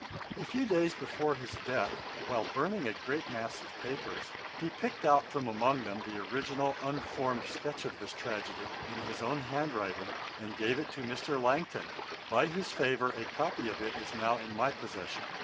A few days before his death, while burning a great mass of papers, he picked out from among them the original unformed sketch of this tragedy, in his own hand writing, and gave it to Mr. Langton, by whose favour a copy of it is now in my possession.